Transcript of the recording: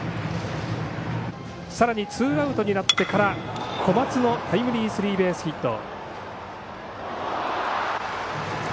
さらに、ツーアウトになってから小松のタイムリースリーベースヒット。